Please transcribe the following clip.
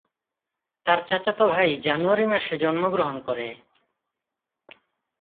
তার চাচাতো ভাই জানুয়ারি মাসে জন্মগ্রহণ করে।